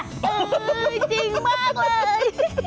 จริงมากเลย